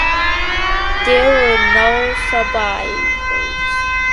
There were no survivors.